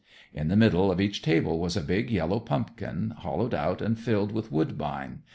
In the middle of each table was a big yellow pumpkin, hollowed out and filled with woodbine.